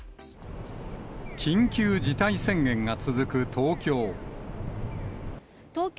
緊急事態宣言が続く東京。